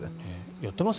やってます？